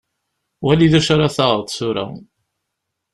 Wali d acu ara taɣeḍ tura.